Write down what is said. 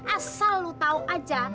asal lo tau aja